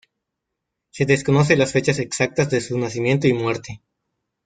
Se desconocen las fechas exactas de su nacimiento y muerte.